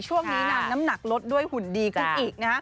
ช่วงนี้น้ำหนักลดด้วยหุ่นดีขึ้นอีก